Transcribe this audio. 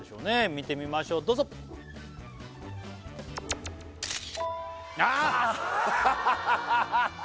見てみましょうどうぞあーっ！